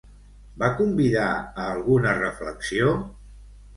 Va convidar a alguna reflexió?